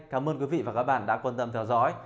cảm ơn quý vị và các bạn đã quan tâm theo dõi